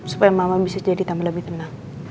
supaya mbak ma bisa jadi lebih tenang